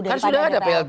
kan sudah ada plt